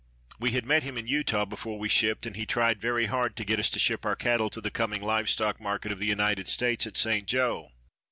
We had met him in Utah before we shipped, and he had tried very hard to get us to ship our cattle to the coming live stock market of the United States at St. Joe.